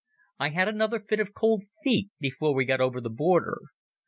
I had another fit of cold feet before we got over the frontier.